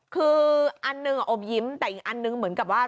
คืออันหนึ่งอมยิ้มแต่อีกอันนึงเหมือนกับว่า